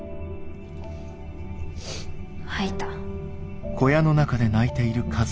・吐いた。